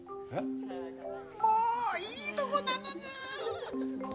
もう、いいとこなのに。